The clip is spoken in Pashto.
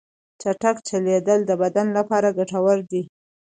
چټک چلیدل د بدن لپاره ګټور دي.